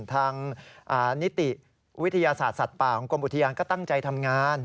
ทางนิติวิทยาศาสตร์สัตว์ป่าของกรมอุทยานก็ตั้งใจทำงาน